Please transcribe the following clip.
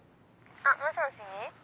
あっもしもし。